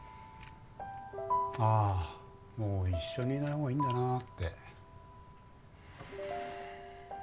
あもう一緒にいないほうがいいんだなって。